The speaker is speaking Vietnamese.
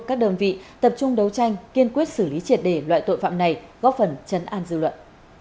các đơn vị tập trung đấu tranh kiên quyết xử lý triệt đề loại tội phạm này góp phần chấn an dư luận